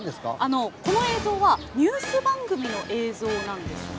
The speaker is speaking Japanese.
この映像は、ニュース番組の映像なんですね。